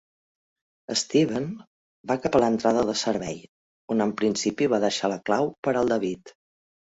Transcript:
Steven va cap a l'entrada de servei on en principi va deixar la clau per al David.